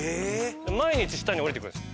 毎日下に下りてくるんです。